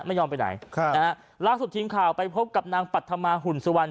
ไม่ยอมไปไหนครับนะฮะล่าสุดทีมข่าวไปพบกับนางปัธมาหุ่นสุวรรณ